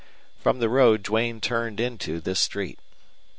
From the road Duane turned into this street.